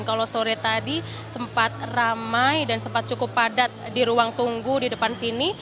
kalau sore tadi sempat ramai dan sempat cukup padat di ruang tunggu di depan sini